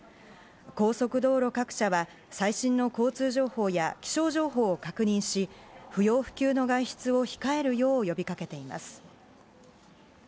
高速道路各社は最新の交通情報や気象情報を確認し、不要不急の外出を控えるよう呼びかけています。